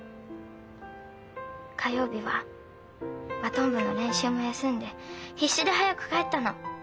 火曜日はバトン部の練習も休んで必死で早く帰ったの。